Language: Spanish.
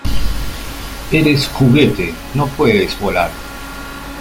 ¡ Eres juguete! ¡ no puedes volar !